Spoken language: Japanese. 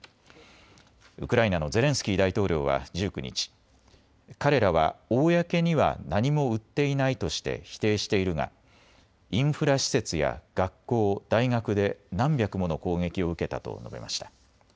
ウクライナのゼレンスキー大統領は１９日、彼らは公には何も売っていないとして否定しているがインフラ施設や学校、大学で何百もの攻撃を受けたと述べました。